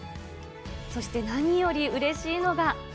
そして何よりうれしいのが。